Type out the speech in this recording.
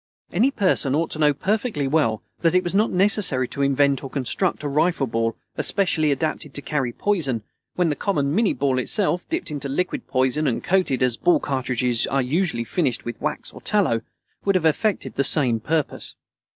Any person ought to know perfectly well that it was not necessary to invent or construct a rifle ball especially adapted to carry poison, when the common minnie ball itself, dipped into liquid poison and coated, as ball cartridges are usually finished, with wax or tallow, would have effected the same purpose.